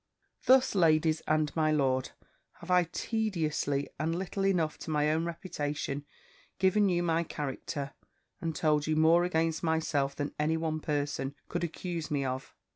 "Thus, ladies and, my lord have I tediously, and little enough to my own reputation, given you my character, and told you more against myself than any one person could accuse me of.